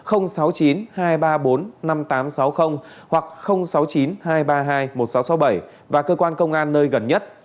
hoặc sáu mươi chín hai trăm ba mươi hai một nghìn sáu trăm sáu mươi bảy và cơ quan công an nơi gần nhất